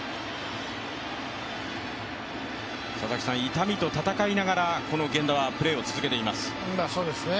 痛みと闘いながら源田はプレーを続けています。